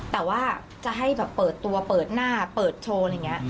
แต่ว่าจะให้แบบเปิดตัวเปิดหน้าเปิดโชว์อะไรอย่างนี้